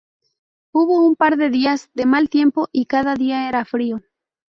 Hubo un par de días de mal tiempo, y cada día era frío.